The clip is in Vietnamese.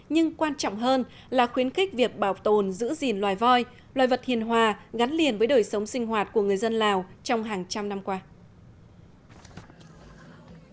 nhưng quan trọng hơn là khuyến khích việc bảo tồn giữ gìn loài voi loài vật hiền hòa gắn liền với đời sống sinh hoạt của người dân lào trong hàng trăm năm qua